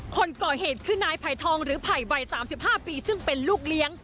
คนก่อเหตุคือนายไผ่ทองหรือไผ่วัย๓๕ปีซึ่งเป็นลูกเลี้ยง